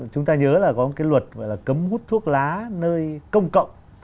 chúng ta nhớ là có cái luật là cấm hút thuốc lá nơi công cộng